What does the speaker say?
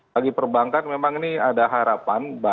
bagi perbankan memang ini ada harapan